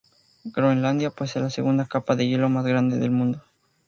Groenlandia posee la segunda capa de hielo más grande del mundo.